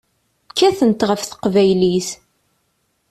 Kkatent ɣef teqbaylit.